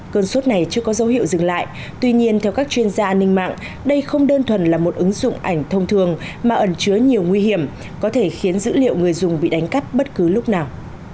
cơn sốt này chưa có dấu hiệu dừng lại tuy nhiên theo các chuyên gia an ninh mạng đây không đơn thuần là một ứng dụng ảnh thông thường mà ẩn chứa nhiều nguy hiểm có thể khiến dữ liệu người dùng bị đánh cắp bất cứ lúc nào